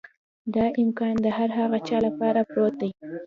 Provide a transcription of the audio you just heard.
دا امکان د هر هغه چا لپاره پروت دی.